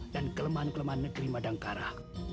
dan kelemahan kelemahan negeri madangkara